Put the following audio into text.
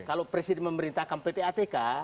kalau presiden memerintahkan ppatk